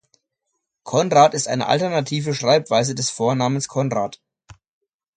Conrad ist eine alternative Schreibweise des Vornamens Konrad.